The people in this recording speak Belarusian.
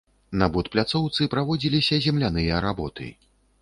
На будпляцоўцы праводзіліся земляныя работы.